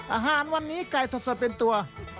อาหารวันนี้ไก่สดเป็นตัว